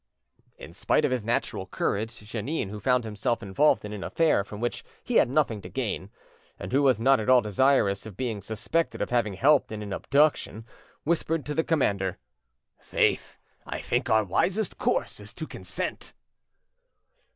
In spite of his natural courage, Jeannin, who found himself involved in an affair from which he had nothing to gain, and who was not at all desirous of being suspected of having helped in an abduction, whispered to the commander— "Faith! I think our wisest course is to consent."